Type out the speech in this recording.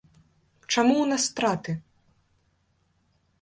Чаму ў нас страты?